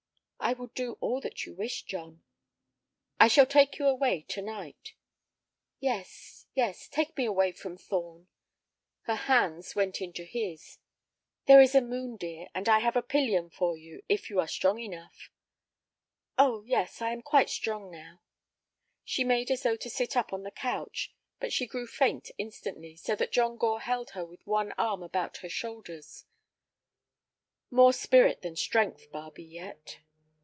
"I will do all that you wish, John." "I shall take you away to night." "Yes, yes; take me away from Thorn." Her hands went into his. "There is a moon, dear, and I have a pillion for you, if you are strong enough." "Oh yes, I am quite strong now." She made as though to sit up on the couch, but she grew faint instantly, so that John Gore held her with one arm about her shoulders. "More spirit than strength, Barbe, yet."